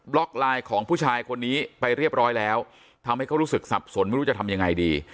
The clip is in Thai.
ล็อกไลน์ของผู้ชายคนนี้ไปเรียบร้อยแล้วทำให้เขารู้สึกสับสนไม่รู้จะทำยังไงดี